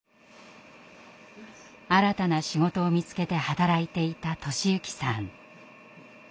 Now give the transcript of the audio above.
新たな仕事を見つけて働いていた寿之さん。